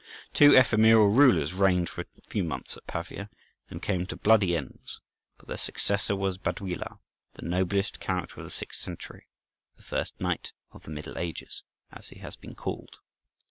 Two ephemeral rulers reigned for a few months at Pavia, and came to bloody ends; but their successor was Baduila,(11) the noblest character of the sixth century—"the first knight of the Middle Ages," as he has been called.